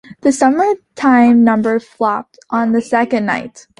The summertime number flopped on the second night.